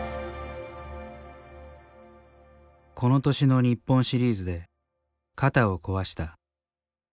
この年の日本シリーズで肩を壊した。